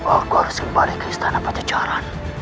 aku harus kembali ke istana pecah jalan